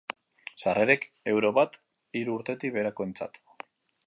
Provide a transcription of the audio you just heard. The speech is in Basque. Sarrerek euro bat hiru urtetik beherakoentzat.